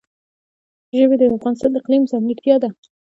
ژبې د افغانستان د اقلیم ځانګړتیا ده.